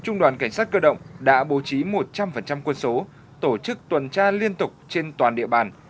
trung đoàn cảnh sát cơ động đã bố trí một trăm linh quân số tổ chức tuần tra liên tục trên toàn địa bàn